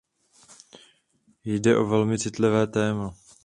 Jde o velmi citlivé téma.